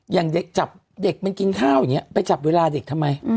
อย่างเด็กจับเด็กจะกินข้าวไปจับเวลาเด็กทำไม